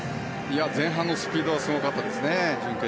前半のスピードはすごかったですね。